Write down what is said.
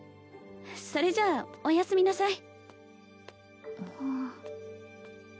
それじゃあおやすみなさい